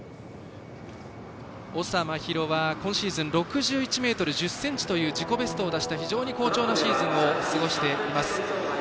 長麻尋は今シーズン６１ｍ１０ｃｍという自己ベストを出した非常に好調なシーズンを過ごしています。